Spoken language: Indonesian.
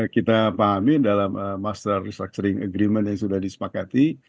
kita pahami dalam master restructuring agreement yang sudah disepakati